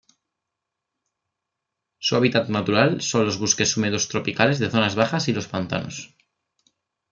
Su hábitat natural son los bosques húmedos tropicales de zonas bajas y los pantanos.